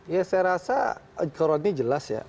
ya saya rasa koran ini jelas ya